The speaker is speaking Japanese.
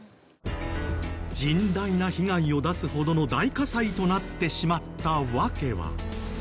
甚大な被害を出すほどの大火災となってしまった訳は。